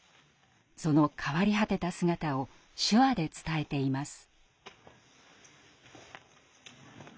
その変わり果てた姿を「手話」で伝えています。